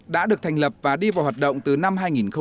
đã được thành lập và đi vào hoạt động từ năm hai nghìn một mươi